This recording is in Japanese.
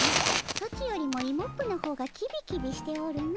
ソチよりもイモップの方がキビキビしておるの。